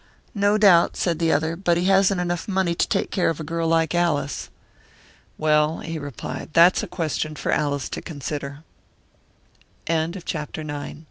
"No doubt," said the other. "But he hasn't enough money to take care of a girl like Alice." "Well," he replied, "that's a question for Alice to consider." CHAPTER X ONE day, a m